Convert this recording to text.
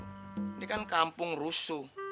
ini kan kampung rusak